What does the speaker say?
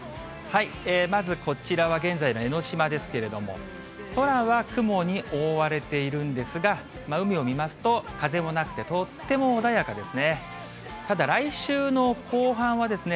まずこちらは現在の江の島ですけれども、空は雲に覆われているんですが、海を見ますと、風もなくてとっても穏やかですね。